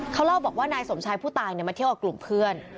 เขาเล่าบอกว่านายสมชายผู้ตายมาเที่ยวกับกลุ่มเพื่อน